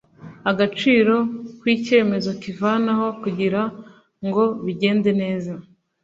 agaciro kw icyemezo kivanaho kugira ngo bigende neza